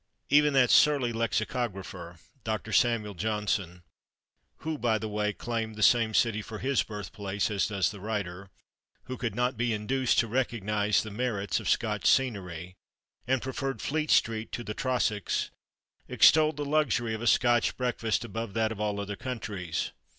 Even that surly lexicographer, Doctor Samuel Johnson (who, by the way, claimed the same city for his birthplace as does the writer), who could not be induced to recognise the merits of Scotch scenery, and preferred Fleet Street to the Trossachs, extolled the luxury of a Scotch breakfast above that of all other countries.